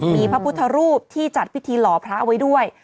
มีพระพุทธรูปที่จัดพิธีหล่อพระไว้ด้วย